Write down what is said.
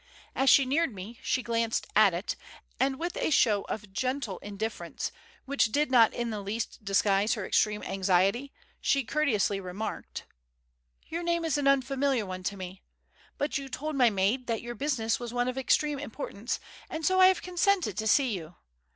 As she neared me, she glanced at it, and with a show of gentle indifference which did not in the least disguise her extreme anxiety, she courteously remarked: "Your name is an unfamiliar one to me. But you told my maid that your business was one of extreme importance, and so I have consented to see you.